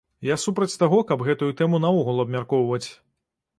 Я супраць таго, каб гэтую тэму наогул абмяркоўваць.